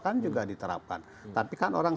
kan juga diterapkan tapi kan orang